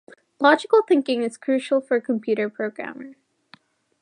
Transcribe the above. Logical thinking is crucial for a computer programmer.